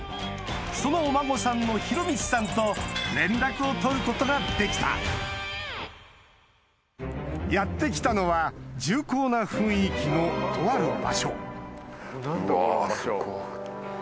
そのお孫さんの弘光さんと連絡を取ることができたやって来たのは重厚な雰囲気のとある場所うわすごい。